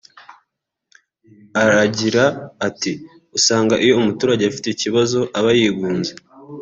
Aragira ati “ Usanga iyo umuturage afite ikibazo aba yigunze